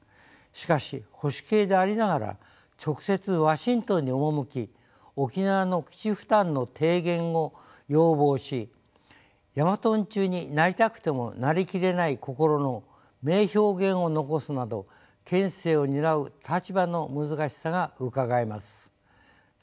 しかし保守系でありながら直接ワシントンに赴き沖縄の基地負担の低減を要望し「ヤマトンチュになりたくてもなりきれない心」の名表現を残すなど県政を担う立場の難しさがうかがえます。